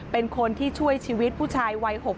เป็นคนที่ช่วยชีวิตผู้ชายวัย๖๐